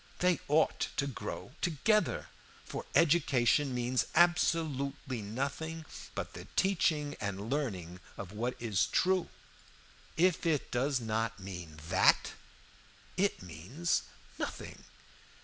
They ought to grow together, for education means absolutely nothing but the teaching and learning of what is true. If it does not mean that, it means nothing.